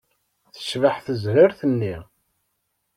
Tecbeḥ tezrart-nni.